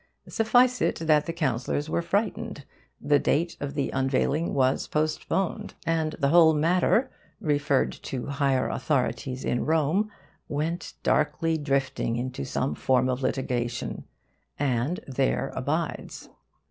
Suffice it that the councillors were frightened, the date of the unveiling was postponed, and the whole matter, referred to high authorities in Rome, went darkly drifting into some form of litigation, and there abides.